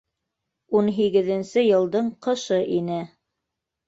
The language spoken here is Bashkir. ...Ун һигеҙенсе йылдың ҡышы ине.